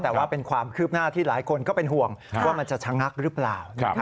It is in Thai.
แต่ว่าเป็นความคืบหน้าที่หลายคนก็เป็นห่วงว่ามันจะชะงักหรือเปล่า